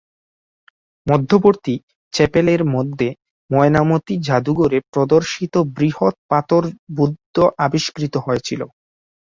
মধ্যবর্তী চ্যাপেলের মধ্যে ময়নামতি যাদুঘরে প্রদর্শিত বৃহৎ পাথর বুদ্ধ আবিষ্কৃত হয়েছিল।